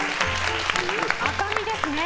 赤身ですね。